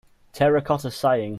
Terracotta Sighing.